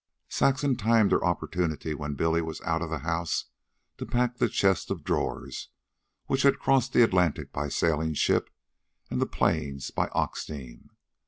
Saxon timed her opportunity when Billy was out of the house to pack the chest of drawers which had crossed the Atlantic by sailing ship and the Plains by ox team.